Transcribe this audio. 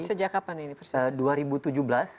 sejak kapan ini persis